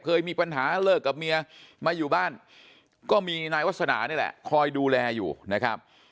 เคยมีปัญหาเลิกกับเมียมาอยู่บ้านก็มีนายวาสนานี่แหละคอยดูแลอยู่นะครับ